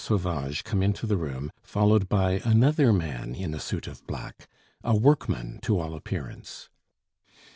Sauvage come into the room, followed by another man in a suit of black, a workman, to all appearance.